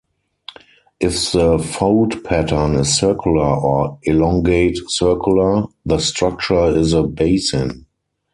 If the fold pattern is circular or elongate circular the structure is a basin.